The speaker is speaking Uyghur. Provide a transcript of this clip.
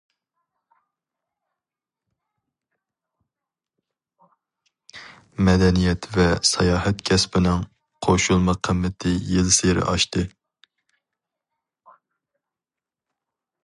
مەدەنىيەت ۋە ساياھەت كەسپىنىڭ قوشۇلما قىممىتى يىلسېرى ئاشتى.